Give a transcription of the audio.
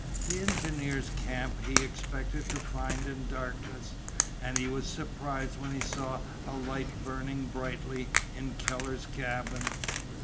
The engineers' camp he expected to find in darkness, and he was surprised when he saw a light burning brightly in Keller's cabin.